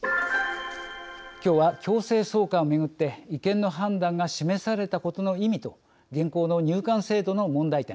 強制送還をめぐって違憲の判断が示されたことの意味と現行の入管制度の問題点